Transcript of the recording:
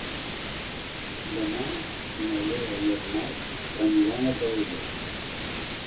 Demà na Lea i en Marc aniran a Calella.